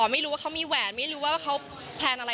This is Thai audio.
ไม่รู้ว่าเขามีแหวนไม่รู้ว่าเขาแพลนอะไร